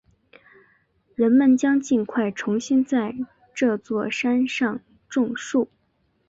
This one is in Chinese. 人们将尽快重新在这座山上种树。